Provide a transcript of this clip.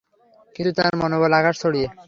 কিন্তু তার মনোবল আকাশ ছাড়িয়ে।